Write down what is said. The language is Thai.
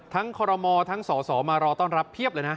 คอรมอทั้งสสมารอต้อนรับเพียบเลยนะ